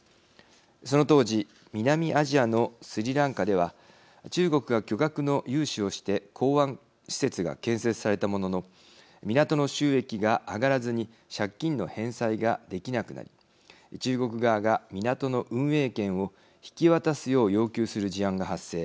その当時南アジアのスリランカでは中国が巨額の融資をして港湾施設が建設されたものの港の収益が上がらずに借金の返済ができなくなり中国側が港の運営権を引き渡すよう要求する事案が発生。